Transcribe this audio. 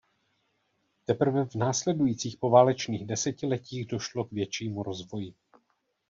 Teprve v následujících poválečných desetiletích došlo k většímu rozvoji.